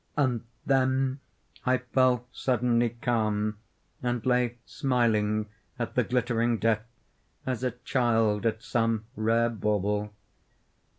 And then I fell suddenly calm, and lay smiling at the glittering death, as a child at some rare bauble.